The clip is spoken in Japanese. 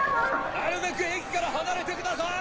なるべく駅から離れてください！